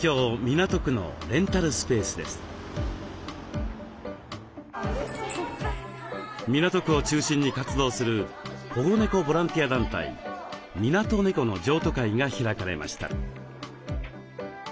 港区を中心に活動する保護猫ボランティア団体「みなとねこ」の譲渡会が開かれました。